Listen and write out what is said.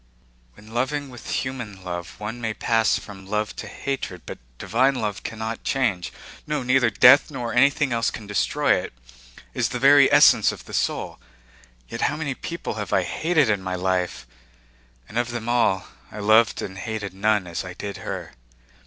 "When loving with human love one may pass from love to hatred, but divine love cannot change. No, neither death nor anything else can destroy it. It is the very essence of the soul. Yet how many people have I hated in my life? And of them all, I loved and hated none as I did her."